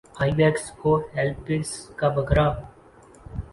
آئی backs کوہ Alps کا بکرا